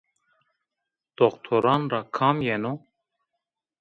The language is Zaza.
Doktoran ra kam yeno?